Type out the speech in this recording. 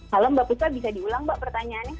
halo mbak puspa bisa diulang mbak pertanyaannya